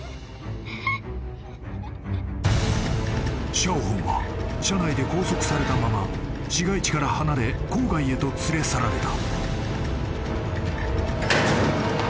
［シャオホンは車内で拘束されたまま市街地から離れ郊外へと連れ去られた］